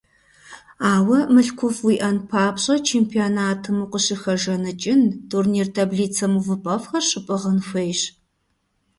Ауэ мылъкуфӀ уиӀэн папщӀэ, чемпионатым укъыщыхэжаныкӀын, турнир таблицэм увыпӀэфӀхэр щыпӀыгъын хуейщ.